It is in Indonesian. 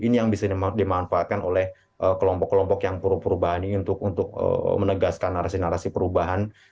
ini yang bisa dimanfaatkan oleh kelompok kelompok yang perubahan ini untuk menegaskan narasi narasi perubahan